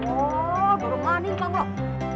oh dorongan ini pokok